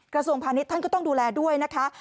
กระทรวงพาณิชย์ท่านก็ต้องดูแลด้วยนะคะ